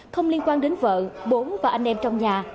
không liên quan đến vợ bốn và anh em trong nhà